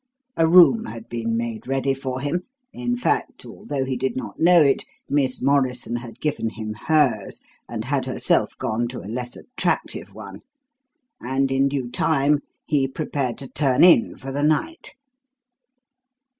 A room had been made ready for him in fact, although he did not know it, Miss Morrison had given him hers, and had herself gone to a less attractive one and in due time he prepared to turn in for the night.